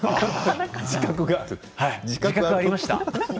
自覚がありました。